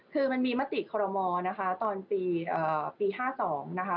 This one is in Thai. คือมันมีมติคอรมอนะคะตอนปี๕๒นะคะ